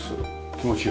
気持ちいい。